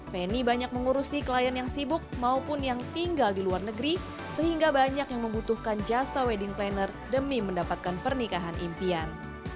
feni banyak mengurusi klien yang sibuk maupun yang tinggal di luar negeri sehingga banyak yang membutuhkan jasa wedding planner demi mendapatkan pernikahan impian